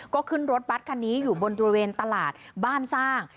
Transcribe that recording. ก็ขึ้นรถบัตรคันนี้อยู่บนบริเวณตลาดบ้านสร้าง